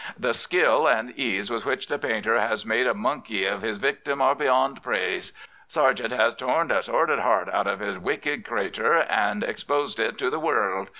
Th' skill an' ease with which th' painter has made a monkey iv his victim are beyond praise. Sargent has torn th' sordid heart out iv th' wicked crather an' exposed it to the wurruld.